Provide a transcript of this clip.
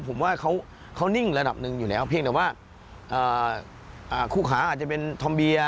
ผมว่าเขานิ่งระดับหนึ่งอยู่แล้วเพียงแต่ว่าคู่ขาอาจจะเป็นธอมเบียร์